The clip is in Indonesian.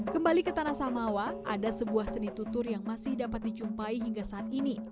kembali ke tanah samawa ada sebuah seni tutur yang masih dapat dijumpai hingga saat ini